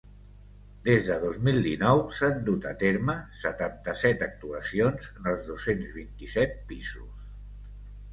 Des de dos mil dinou s’han dut a terme setanta-set actuacions en els dos-cents vint-i-set pisos.